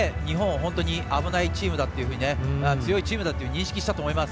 本当に危ないチームだと強いチームだと認識したと思います。